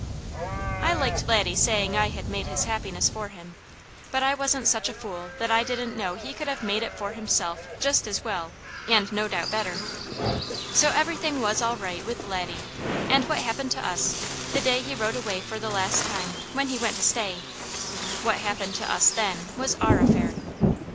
I liked Laddie saying I had made his happiness for him; but I wasn't such a fool that I didn't know he could have made it for himself just as well, and no doubt better. So everything was all right with Laddie; and what happened to us, the day he rode away for the last time, when he went to stay what happened to us, then, was our affair.